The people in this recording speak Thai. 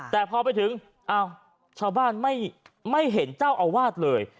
แต่พอไปถึงอ้าวชาวบ้านไม่เห็นเจ้าอาวาสเลย